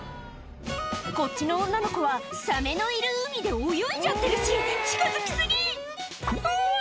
こっちの女の子はサメのいる海で泳いじゃってるし近づき過ぎうわ！